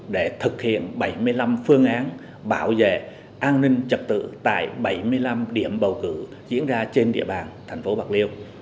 để thực hiện bảy mươi năm phương án bảo vệ an ninh trật tự tại bảy mươi năm điểm bầu cử diễn ra trên địa bàn thành phố bạc liêu